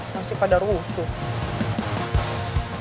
masih pada rusuh